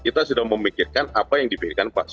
kita sudah memikirkan apa yang kita harus lakukan